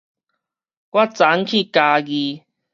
我昨昏去嘉義